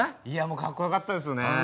いやもうかっこよかったですよね。